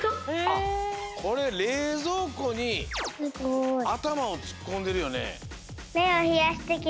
これれいぞうこにあたまをつっこんでるよね。